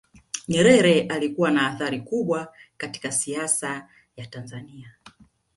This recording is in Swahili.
nyerere alikuwa na athari kubwa katika siasa ya tanzania